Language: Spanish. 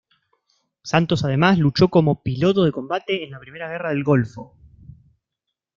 Santos además luchó como piloto de combate en la primera Guerra del Golfo.